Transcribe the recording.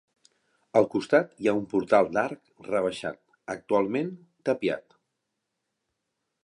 Al costat hi ha un portal d'arc rebaixat, actualment tapiat.